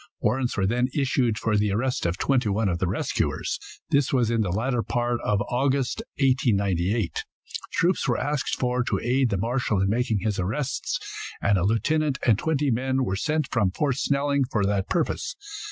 Warrants were then issued for the arrest of twenty one of the rescuers. This was in the latter part of August, 1898. Troops were asked for to aid the marshal in making his arrests, and a lieutenant and twenty men were sent from Fort Snelling for that purpose.